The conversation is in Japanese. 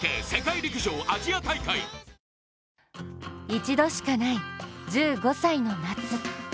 一度しかない１５歳の夏。